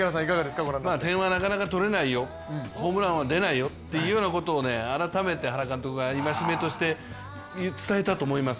点はなかなか取れないよ、ホームランは出ないよっていうようなことを改めて原監督が戒めとして伝えたと思います。